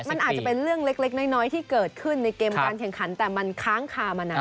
มันอาจจะเป็นเรื่องเล็กน้อยที่เกิดขึ้นในเกมการแข่งขันแต่มันค้างคามานาน